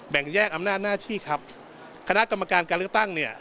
งแยกอำนาจหน้าที่ครับคณะกรรมการการเลือกตั้งเนี่ย